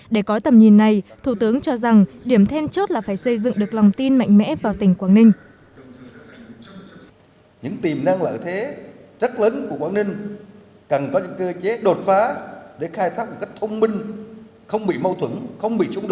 để có tầm nhìn này thủ tướng cho rằng điểm then chốt là phải xây dựng được lòng tin mạnh mẽ vào tỉnh quảng ninh